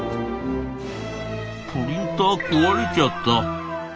「プリンター壊れちゃった」。